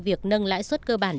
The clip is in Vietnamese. việc nâng lãi suất cơ bản